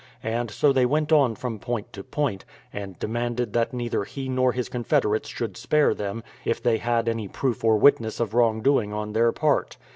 And so they went on from point to point, and demanded that neither he nor his confederates should spare them, if they had any proof or witness of wrong doing on their part.